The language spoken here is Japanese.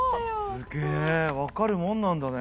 すげぇ分かるもんなんだね。